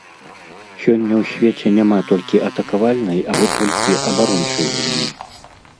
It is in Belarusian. Сёння ў свеце няма толькі атакавальнай або толькі абарончай гульні.